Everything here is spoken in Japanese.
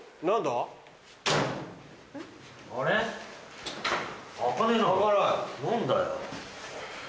何だよ。